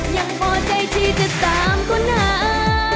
ยังพอใจที่จะตามค้นหา